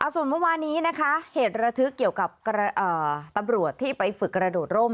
ส่วนเมื่อวานี้นะคะเหตุระทึกเกี่ยวกับตำรวจที่ไปฝึกกระโดดร่ม